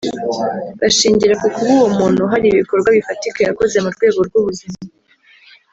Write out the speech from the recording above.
bashingira ku kuba uwo muntu hari ibikorwa bifatika yakoze mu rwego rw’ubuzima